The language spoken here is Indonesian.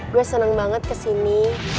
gue seneng banget kesini